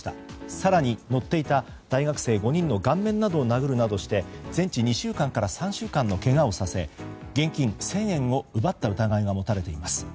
更に乗っていた大学生５人の顔面を殴るなどして全治２週間から３週間のけがをさせ現金１０００円を奪った疑いが持たれています。